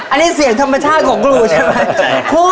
อันนี้เสียงธรรมชาติของครูใช่ไหม